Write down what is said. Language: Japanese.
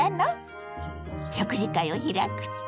食事会を開くって？